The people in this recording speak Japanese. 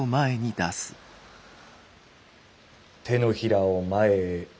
手のひらを前へ。